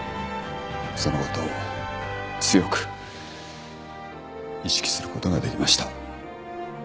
そのことを強く意識することができました。